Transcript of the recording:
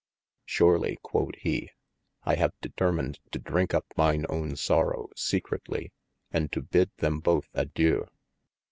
Surely (quod he) I have determined to drinke up mine own sorow secretly, and to bid them both a Dieu.